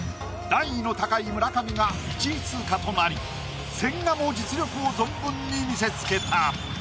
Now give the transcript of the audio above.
段位の高い村上が１位通過となり千賀も実力を存分に見せつけた。